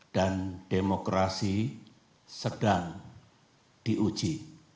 dan demokrasi sedang diuji